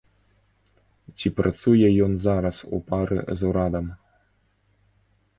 Ці працуе ён зараз у пары з урадам?